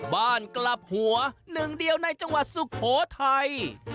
บ้านกลับหัวหนึ่งเดียวในจังหวัดสุโขทัย